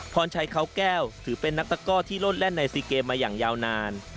พรชัยเขาแก้วถือเป็นนักตะก้อที่โลดเล่นในซีเกมมาอย่างยาวนาน